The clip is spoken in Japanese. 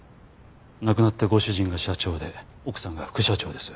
亡くなったご主人が社長で奥さんが副社長です。